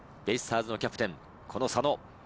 ベイスターズのキャプテンこの佐野。